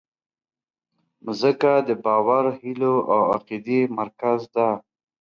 مځکه د باور، هیلو او عقیدې مرکز ده.